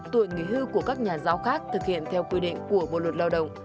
tuổi nghỉ hưu của các nhà giáo khác thực hiện theo quy định của bộ luật lao động